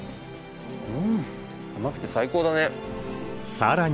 うん甘くて最高だね。